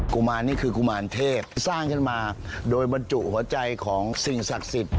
กุมาญคือกุมาญเทพสร้างขึ้นมาโดยบรรจุหัวใจของสิ่งศักษิต